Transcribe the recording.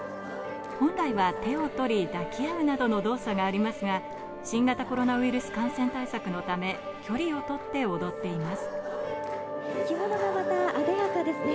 本来は手を取り抱き合うなどの動作がありますが、新型コロナウイルス感染対策のため、距離をとって踊っています。